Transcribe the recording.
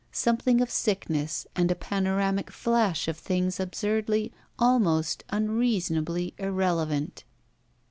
Something of sickness and a panoramic flash of things absurdly, almost unreasonably irrelevant.